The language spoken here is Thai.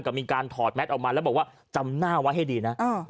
ก็มีการถอดแมทออกมาแล้วบอกว่าจำหน้าไว้ให้ดีนะ